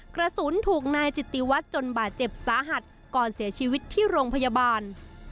กระสุนถูกนายจิตติวัตรจนบาดเจ็บสาหัสก่อนเสียชีวิตที่โรงพยาบาล